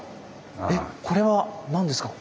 えっこれは何ですか？